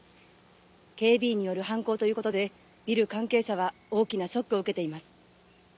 警備員による犯行ということでビル関係者は大きなショックを受けています。